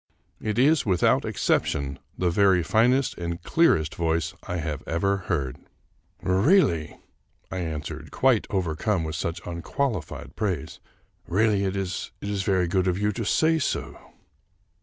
It is, without exception, the very finest and clearest voice I have ever heard." 299 English Mystery Stories " Really," I answered, quite overcome with such un qualified praise, " really it is very good of you to say so."